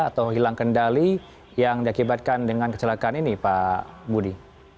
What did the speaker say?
atau hilang kendali yang diakibatkan dengan kecelakaan ini pak budi